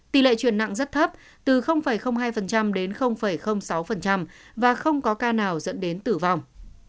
tỷ lệ truyền nặng rất thấp từ hai đến sáu và không có ca nào dẫn đến tử vong